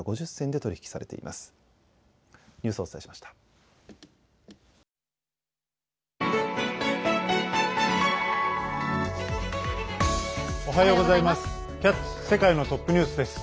おはようございます。